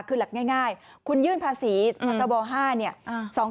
คือหลักง่ายคุณยื่นภาษีพศ๕